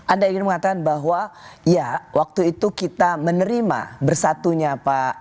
anda ingin mengatakan bahwa ya waktu itu kita menerima bersatunya pak